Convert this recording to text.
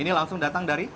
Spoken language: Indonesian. ini langsung datang dari